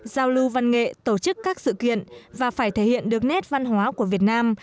giao lưu văn nghệ tổ chức các sự kiện và phải thể hiện được nét văn hóa của việt nam